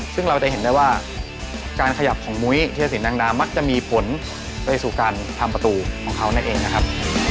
ซึ่งเราจะเห็นได้ว่าการขยับของมุ้ยธิรสินแดงดามักจะมีผลไปสู่การทำประตูของเขานั่นเองนะครับ